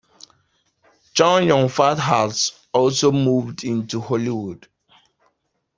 Chow Yun-fat has also moved to Hollywood.